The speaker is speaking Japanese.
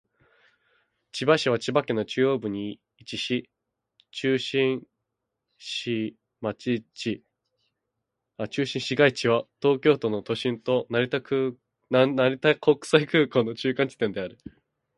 千葉市は千葉県の中央部に位置し、中心市街地は東京都の都心と成田国際空港の中間地点である。